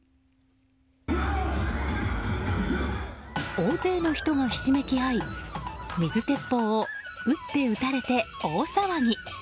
大勢の人がひしめき合い水鉄砲を撃って撃たれて大騒ぎ。